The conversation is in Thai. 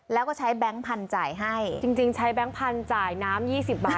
แล้วก็ใช้แบงค์พันธุ์จ่ายให้จริงใช้แบงค์พันธุ์จ่ายน้ำ๒๐บาท